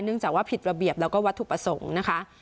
เนื่องจากว่าผิดระเบียบและวัตถุประสงค์